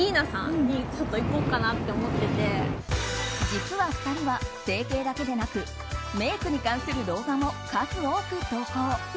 実は２人は整形だけでなくメイクに関する動画も数多く投稿。